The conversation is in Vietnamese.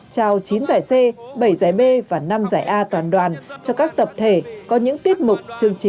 trao chín giải c bảy giải b và năm giải a toàn đoàn cho các tập thể có những tiết mục chương trình